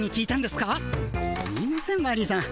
すいませんマリーさん。